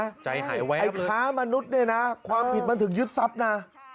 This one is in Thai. ไอ้ค้ามนุษย์นี่นะความผิดมันถึงยึดทรัพย์น่ะ